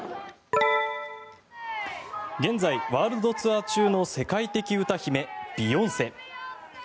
現在ワールドツアー中の世界的歌姫、ビヨンセ。